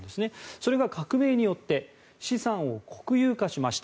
それが革命によって資産を国有化しました。